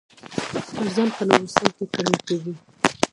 ارزن په نورستان کې کرل کیږي.